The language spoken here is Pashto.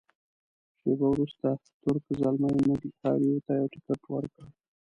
شیبه وروسته تُرک زلمي موږ هر یوه ته یو تکټ ورکړ.